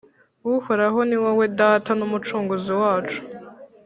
uhoraho, ni wowe data n’umucunguzi wacu.